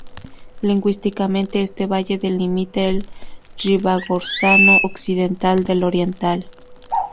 Lingüísticamente este valle delimita el Ribagorzano Occidental del Oriental.